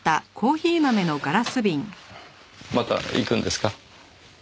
また行くんですか？